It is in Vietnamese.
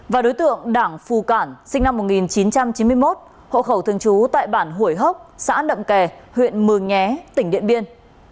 và đối tượng đảng phù cản sinh năm một nghìn chín trăm chín mươi một hộ khẩu thương chú tại bản hủy hốc xã đậm kè huyện mường nhé tỉnh điện biên